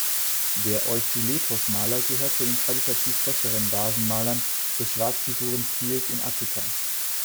Der Euphiletos-Maler gehört zu den qualitativ besseren Vasenmalern des schwarzfigurigen Stils in Attika.